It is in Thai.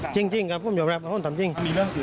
จริงครับผมยอมรับว่าผมทำจริงนะ